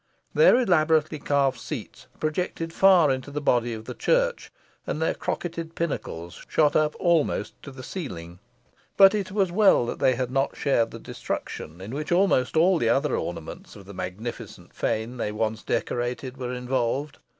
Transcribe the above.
Their elaborately carved seats projected far into the body of the church, and their crocketed pinnacles shot up almost to the ceiling. But it was well they had not shared the destruction in which almost all the other ornaments of the magnificent fane they once decorated were involved.